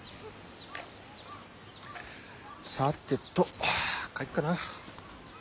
さてと帰っかな。